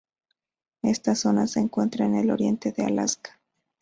Esta zona se encuentra en el oriente de Alaska.